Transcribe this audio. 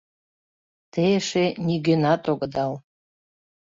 — Те эше нигӧнат огыдал.